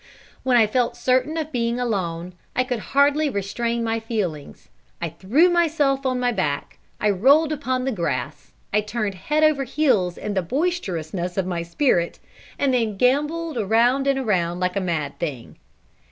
When I felt certain of being alone, I could hardly restrain my feelings. I threw myself on my back, I rolled upon the grass, I turned head over heels in the boisterousness of my spirit, and then gambolled round and round like a mad thing.